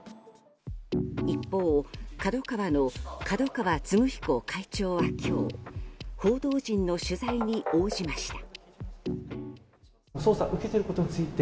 一方、ＫＡＤＯＫＡＷＡの角川歴彦会長は今日報道陣の取材に応じました。